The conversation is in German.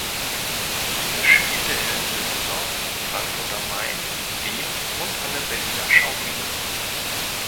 Hier spielte er in Düsseldorf, Frankfurt am Main, Wien und an der Berliner Schaubühne.